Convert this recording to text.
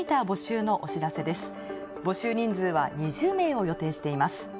募集人数は２０名を予定しています。